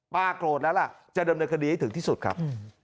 โกรธแล้วล่ะจะดำเนินคดีให้ถึงที่สุดครับ